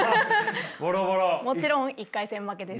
もちろん１回戦負けです。